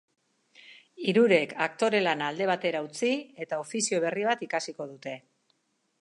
Hirurek aktore lana alde batera utzi eta ofizio berri bat ikasiko dute.